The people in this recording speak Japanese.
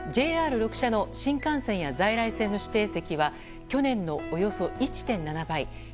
ＪＲ６社の新幹線や在来線の指定席は去年のおよそ１．７倍